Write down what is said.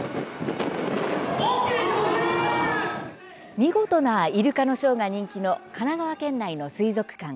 見事なイルカのショーが人気の神奈川県内の水族館。